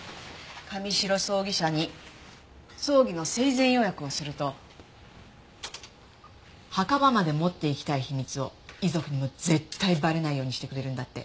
神城葬儀社に葬儀の生前予約をすると墓場まで持っていきたい秘密を遺族にも絶対バレないようにしてくれるんだって。